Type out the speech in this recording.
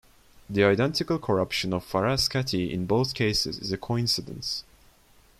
The identical corruption of Frascati in both cases is a coincidence.